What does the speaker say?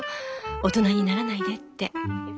大人にならないでって。